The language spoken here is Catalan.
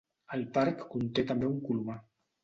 El parc conté també un colomar.